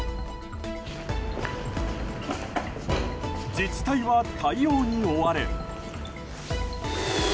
自治体は対応に追われ。